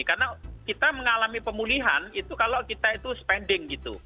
karena kita mengalami pemulihan itu kalau kita itu spending gitu